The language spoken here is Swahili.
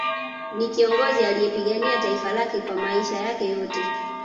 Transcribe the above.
Ni kiongozi aliyepigania taifa lake kwa maisha yake yote